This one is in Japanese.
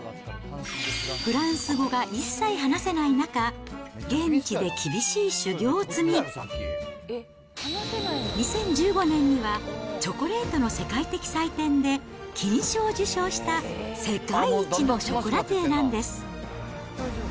フランス語が一切話せない中、現地で厳しい修業を積み、２０１５年には、チョコレートの世界的祭典で金賞を受賞した世界一のショコラティエなんです。